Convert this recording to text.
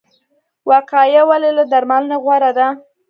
وقایه ولې له درملنې غوره ده؟